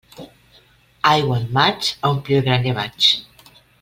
Aigua en maig, a omplir el graner vaig.